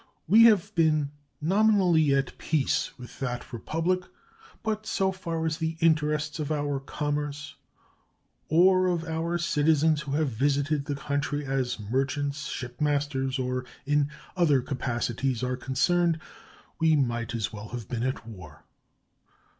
We have been nominally at peace with that Republic, but "so far as the interests of our commerce, or of our citizens who have visited the country as merchants, shipmasters, or in other capacities, are concerned, we might as well have been at war."